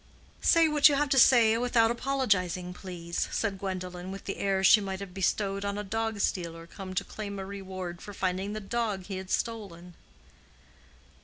"Say what you have to say without apologizing, please," said Gwendolen, with the air she might have bestowed on a dog stealer come to claim a reward for finding the dog he had stolen.